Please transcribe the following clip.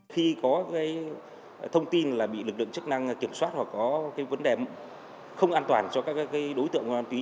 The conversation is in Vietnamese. khi có thông tin là bị lực lượng chức năng kiểm soát hoặc có vấn đề không an toàn cho các đối tượng ma túy